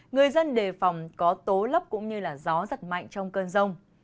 người dân đề phòng có tố lấp cũng như gió rất mạnh trong cơn rông